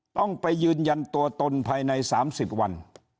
ต้องไปยืนยันตัวตนภายใน๓๐วัน